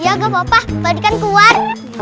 iya gak apa apa valdi kan keluar